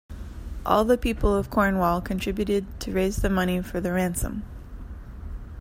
All the people of Cornwall contributed to raise the money for the ransom.